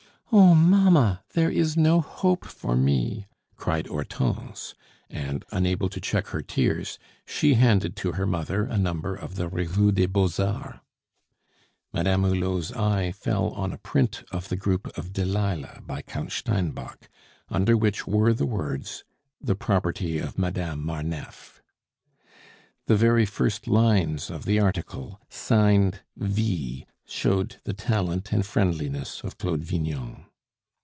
"Oh, mamma, there is no hope for me!" cried Hortense. And unable to check her tears, she handed to her mother a number of the Revue des Beaux Arts. Madame Hulot's eye fell on a print of the group of "Delilah" by Count Steinbock, under which were the words, "The property of Madame Marneffe." The very first lines of the article, signed V., showed the talent and friendliness of Claude Vignon.